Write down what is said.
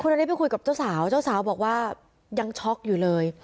นาริสไปคุยกับเจ้าสาวเจ้าสาวบอกว่ายังช็อกอยู่เลย